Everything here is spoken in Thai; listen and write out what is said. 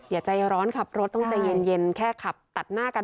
อย่าใจร้อนขับรถต้องใจเย็นแค่ขับตัดหน้ากัน